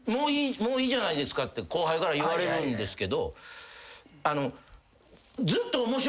「もういいじゃないですか」って後輩から言われるんですけど。